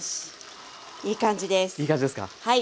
はい。